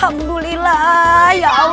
aduh liat dong